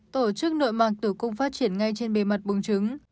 tổ chức nội mạn tử cung phát triển ngay trên bề mặt bùng trứng